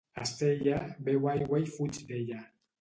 A Sella, beu aigua i fuig d'ella